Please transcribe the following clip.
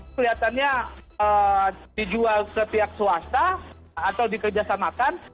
kelihatannya dijual ke pihak swasta atau dikerjasamakan